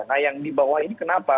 nah yang di bawah ini kenapa